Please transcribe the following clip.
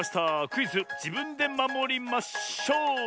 クイズ「じぶんでまもりまショウ」！